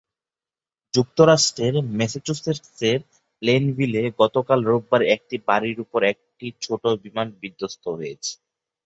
যুক্তরাষ্ট্রের ম্যাসাচুসেটসের প্লেইনভিলে গতকাল রোববার একটি বাড়ির ওপর একটি ছোট বিমান বিধ্বস্ত হয়েছে।